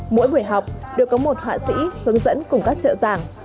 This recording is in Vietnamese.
mỗi buổi học đều có một hạ sĩ hướng dẫn cùng các trợ giảng